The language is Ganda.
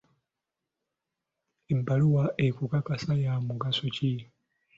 Ebbaluwa ekukakasa ya mugaso ki?